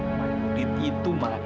yudit itu mak